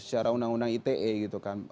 secara undang undang ite gitu kan